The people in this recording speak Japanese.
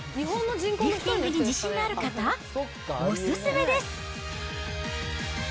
リフティングに自信のある方、お勧めです。